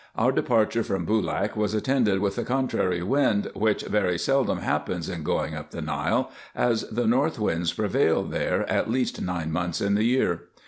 Our departure from Boolak was attended with a contrary wind, which very seldom happens in going up the Nile, as the north winds prevail there at least nine months in the year.